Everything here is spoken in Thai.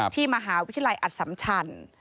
ที่มหาวิทยาลัยอสัมชัน